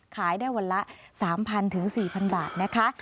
ขายได้วันละ๓๐๐๔๐๐บาทนะคะ